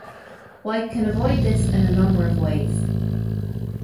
White can avoid this in a number of ways.